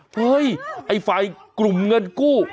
เฮ้ยไอ้ฝ่ายกลุ่มเงินกู้